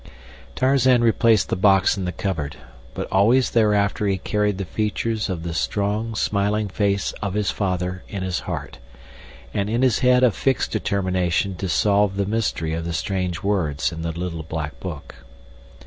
Tarzan replaced the box in the cupboard, but always thereafter he carried the features of the strong, smiling face of his father in his heart, and in his head a fixed determination to solve the mystery of the strange words in the little black book.